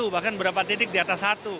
bahkan beberapa titik di atas satu